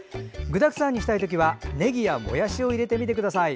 具だくさんにしたいときはねぎや、もやしを入れてみてください。